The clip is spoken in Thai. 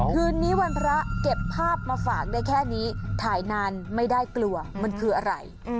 คืนนี้วันพระเก็บภาพมาฝากได้แค่นี้ถ่ายนานไม่ได้กลัวมันคืออะไร